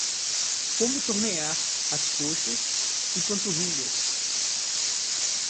Como tornear as coxas e panturrilhas